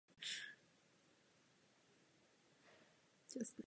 Rovněž byl oceněn za kresbu podle živého modelu.